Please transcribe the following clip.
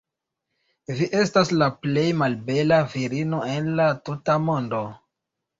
Vi estas la plej malbela virino en la tuta mondo."